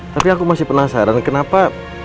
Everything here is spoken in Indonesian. tapi aku masih penasaran kenapa